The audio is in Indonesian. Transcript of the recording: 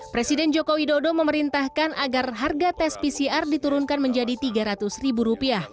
presiden joko widodo memerintahkan agar harga tes pcr diturunkan menjadi rp tiga ratus